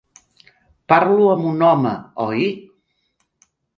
Parlo amb un home, oi?